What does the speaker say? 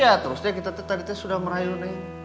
ya terus deh tadi kita sudah merayu neng